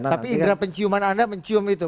tapi indera penciuman anda mencium itu